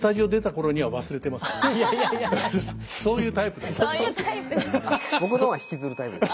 そういうタイプです。